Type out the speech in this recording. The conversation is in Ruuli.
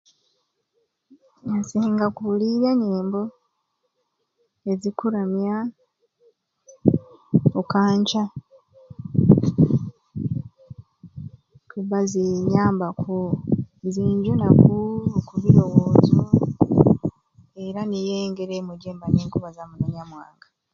Nsinga kuulirya nyembo ezikuramya Okanca kuba zinyambaku zinjunaku okubirowoozo era niyo ngeri emwei jemba ninkubazamu nonyamwanga.